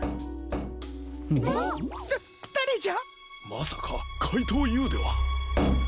まさかかいとうＵでは？